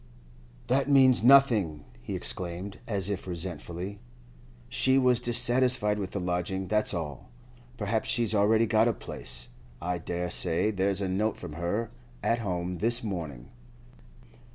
'That means nothing!' he exclaimed, as if resentfully. 'She was dissatisfied with the lodging, that's all. Perhaps she's already got a place. I dare say there's a note from her at home this morning.